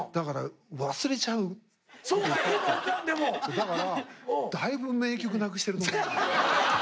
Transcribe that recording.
だからだいぶ名曲なくしてると思う。